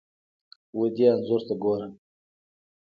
ودې انځور ته ګوره!